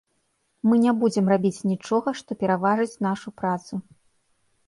Мы не будзем рабіць нічога, што пераважыць нашу працу.